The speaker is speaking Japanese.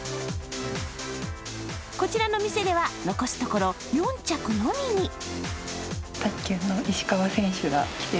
こちらの店では、残すところ４着のみに。